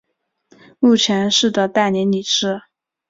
目前是的代表理事。